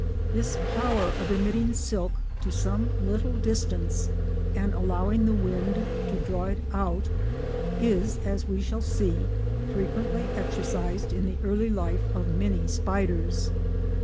This power of emitting silk to some little distance and allowing the wind to draw it out is, as we shall see, frequently exercised in the early life of many spiders.